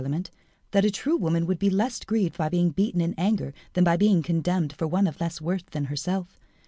"It is my belief," said Parlamente, "that a true woman would be less grieved by being beaten in anger than by being contemned for one of less worth than herself.